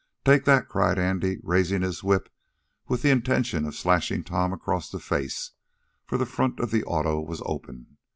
"Take that!" cried Andy, raising his whip, with the intention of slashing Tom across the face, for the front of the auto was open.